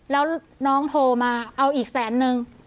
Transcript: แล้วน้องโทรมาเอาอีกแสนนึง